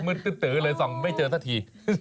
ตื้อเลยส่องไม่เจอสักที